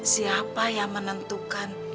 siapa yang menentukan